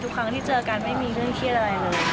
ครั้งที่เจอกันไม่มีเรื่องเครียดอะไรเลย